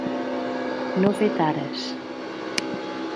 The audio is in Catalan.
No fer tares.